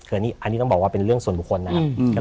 คืออันนี้ต้องบอกว่าเป็นเรื่องส่วนบุคคลนะครับ